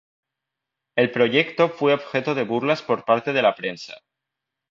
El proyecto fue objeto de burlas por parte de la prensa.